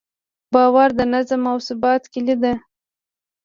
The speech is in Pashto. باور د نظم او ثبات کیلي ده.